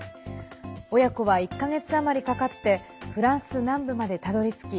親子は１か月余りかかってフランス南部までたどりつき